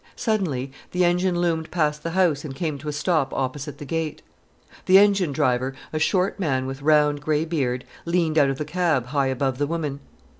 Suddenly the engine loomed past the house and came to a stop opposite the gate. The engine driver, a short man with round grey beard, leaned out of the cab high above the woman.